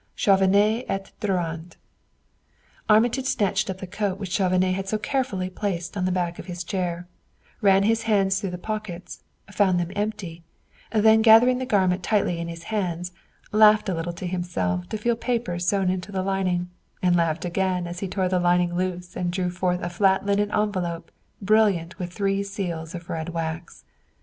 Chauvenet et Durand." Armitage snatched up the coat which Chauvenet had so carefully placed on the back of his chair, ran his hands through the pockets, found them empty, then gathered the garment tightly in his hands, laughed a little to himself to feel papers sewn into the lining, and laughed again as he tore the lining loose and drew forth a flat linen envelope brilliant with three seals of red wax.